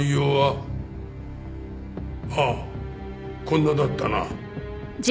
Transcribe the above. あっこんなだったな。